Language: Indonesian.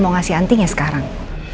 mau ngasih andinnya sekarang